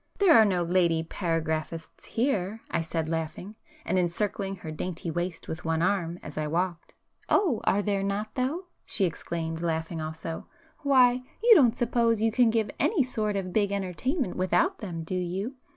'" [p 271]"There are no lady paragraphists here,"—I said laughing, and encircling her dainty waist with one arm as I walked. "Oh, are there not, though!" she exclaimed, laughing also, "Why, you don't suppose you can give any sort of big entertainment without them do you?